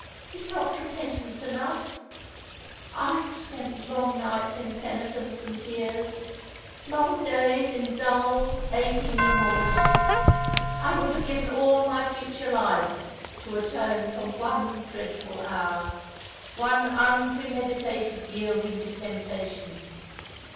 Is not repentance enough ? I have spent long nights in penitence and tears, long days in dull aching remorse. I would have given all ^^ In the Shadow of the Tontb^ 263 my future life to atone for one dreadful hour — one unpre meditated yielding to temptation.